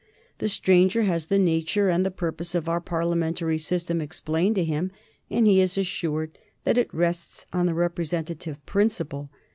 The stranger has the nature and the purpose of our Parliamentary system explained to him, and he is assured that it rests on the representative principle.